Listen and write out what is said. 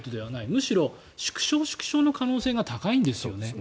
むしろ、縮小縮小の可能性が高いんですよね。